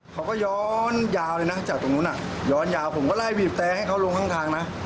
เขาก็ย้อนยาวเลยนะจากตรงนู้นย้อนยาวผมก็ไล่บีบแต่ให้เขาลงข้างทางนะ